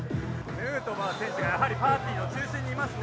ヌートバー選手がパーティーの中心にいますね。